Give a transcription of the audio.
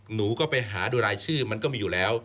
หนูก็ไปหาดูรายชื่อมันก็มีอยู่แล้ว